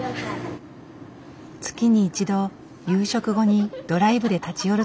月に一度夕食後にドライブで立ち寄るというご家族。